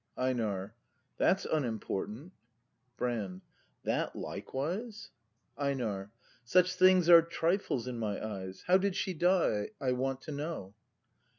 EiNAR. That's unimportant Brand. That likewise? EiNAR, Such things are trifles in my eyes. How did she die, I want to know?